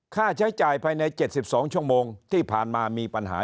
ค่าใช้จ่ายภายใน๗๒ชั่วโมงที่ผ่านมามีปัญหา